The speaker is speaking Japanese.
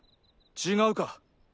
違うか？